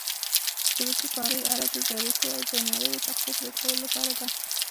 د شبکې کارۍ اره د ظریفو او نریو تختو پرېکولو لپاره ده.